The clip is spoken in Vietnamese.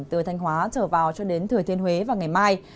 từ thanh hóa trở vào cho đến thừa thiên huế vào ngày mai